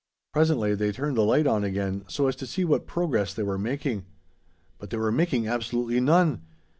Presently they turned the light on again, so as to see what progress they were making. But they were making absolutely none!